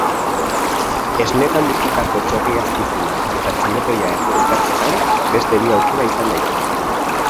Esnetan bustitako txerri azpizuna eta txuletoia egur-ikatzetan, beste bi aukera izan daitezke.